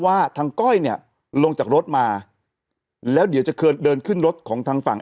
ว่าทางก้อยเนี่ยลงจากรถมาแล้วเดี๋ยวจะเดินขึ้นรถของทางฝั่ง